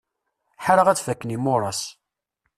Ḥareɣ ad fakken yimuras.